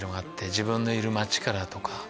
自分のいる街からとか。